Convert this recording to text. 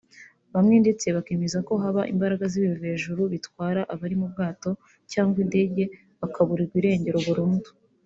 bamwe ndetse bakemeza ko haba imbaraga z’ibivejuru bitwara abari mu bwato cyangwa indege bakaburirwa irengero burundu